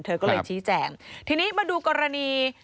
เธอก็เลยชี้แจงทีนี้มาดูกรณี